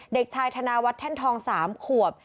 เด็กชายธนาวัฒน์แท่นทอง๓ขวบ